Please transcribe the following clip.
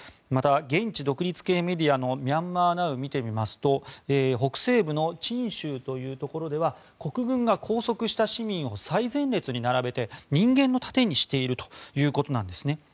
また、現地独立系メディアのミャンマー・ナウを見てみますと北西部のチン州というところでは国軍が拘束した市民を最前列に並べて人間の盾にしているということなんですね。